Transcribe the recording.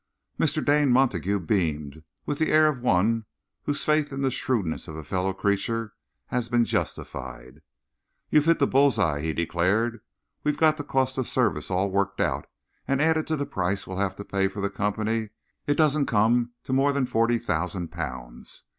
Mr. Dane Montague beamed, with the air of one whose faith in the shrewdness of a fellow creature has been justified. "You've hit the bull's eye," he declared. "We've got the cost of service all worked out, and, added to the price we'll have to pay for the Company, it don't come to more than forty thousand pounds.